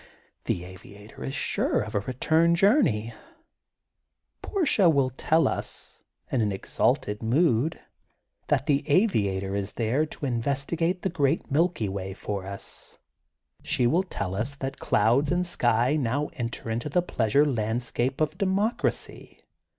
The aviator is sure of a return journey. Portia will tell us, in an exalted mood, that the aviator is up / THE GOLDEN BOOK OF SPRINGFIELD 157 there to investigate the great milky way for us. She will tell us that clouds and sky now enter into the pleasure landscape of dempc racy.